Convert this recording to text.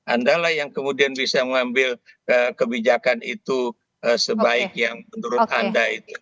andalah yang kemudian bisa mengambil kebijakan itu sebaik yang menurut anda itu